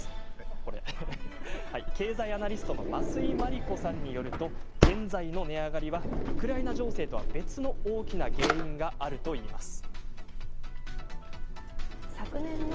経済アナリストの増井麻里子さんによると現在の値上がりはウクライナ情勢とは別の大きな原因があるといいます。